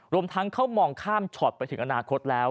รวมทั้งเขามองข้ามช็อตไปถึงอนาคตแล้ว